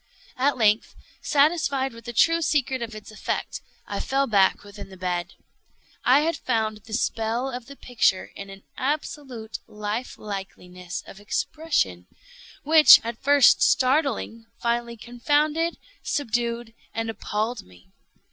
At length, satisfied with the true secret of its effect, I fell back within the bed. I had found the spell of the picture in an absolute life likeliness of expression, which, at first startling, finally confounded, subdued, and appalled me.